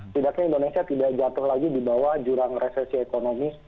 tidaknya indonesia tidak jatuh lagi di bawah jurang resesi ekonomi